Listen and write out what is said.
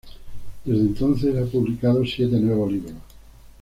Desde entonces ha publicado siete nuevos libros.